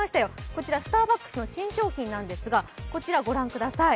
こちらスターバックスの新商品なんですが、こちらご覧ください。